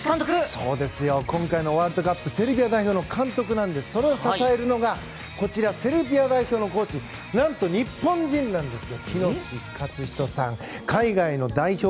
今回のワールドカップセルビア代表の選手を支えるのがこちらセルビア代表のコーチ何と日本人なんです。